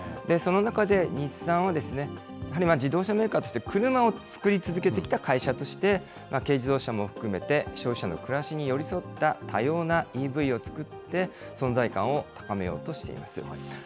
その中で日産は、やはり自動車メーカーとして車を作り続けてきた会社として、軽自動車も含めて消費者の暮らしに寄り添った多様なＥＶを作って、存在感を高めようとしています。